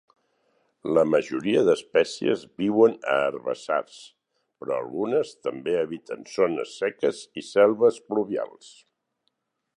La majoria d'espècies viuen a herbassars, però algunes també habiten zones seques i selves pluvials.